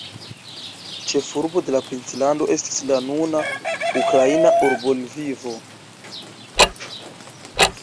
Ĉefurbo de la princlando estis la nuna ukraina urbo Lvivo.